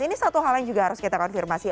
ini satu hal yang juga harus kita konfirmasi